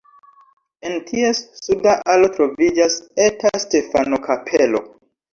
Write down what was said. En ties suda alo troviĝas eta Stefano-kapelo.